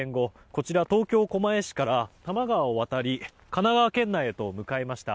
こちら、東京・狛江市から多摩川を渡り神奈川県内へと向かいました。